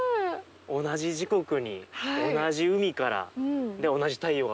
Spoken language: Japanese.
同じ時刻に同じ海から同じ太陽が昇るっていうね。